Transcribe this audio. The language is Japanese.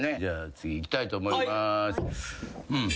次いきたいと思います。